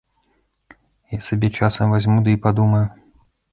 Я сабе часам вазьму ды і падумаю.